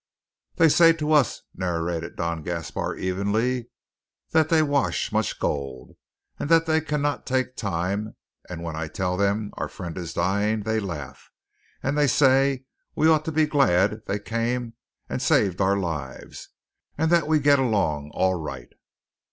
"They say to us," narrated Don Gaspar evenly, "that they wash much gold, and that they cannot take the time; and when I tell them our friend is dying, they laugh, and essay that we ought to be glad they come and essave our lives; and that we get along all right."